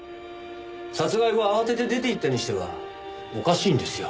殺害後慌てて出て行ったにしてはおかしいんですよ。